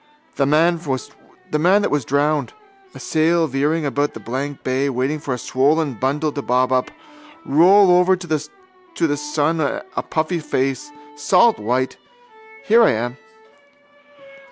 The man that was drowned. A sail veering about the blank bay waiting for a swollen bundle to bob up, roll over to the sun a puffy face, saltwhite. Here I am.